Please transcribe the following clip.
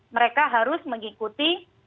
mereka harus mengikuti